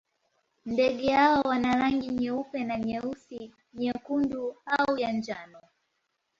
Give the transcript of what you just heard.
Ndege hawa wana rangi nyeupe na nyeusi, nyekundu au ya manjano.